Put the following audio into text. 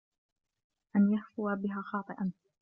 أَنْ يَهْفُوَ بِهَا خَاطِئًا